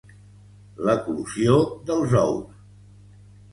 L'eclosió dels ous.